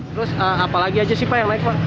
terus apa lagi aja sih pak yang naik pak